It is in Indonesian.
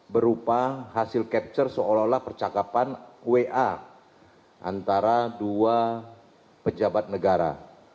berupa hasil capture seolah olah percakapan wa antara dua pejabat negara